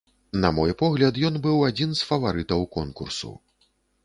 На мой погляд, ён быў адзін з фаварытаў конкурсу.